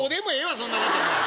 そんなこと。